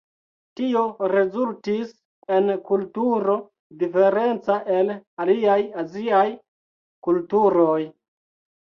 Tio rezultis en kulturo diferenca el aliaj aziaj kulturoj.